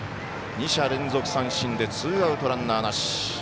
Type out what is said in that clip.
２者連続三振でツーアウトランナーなし。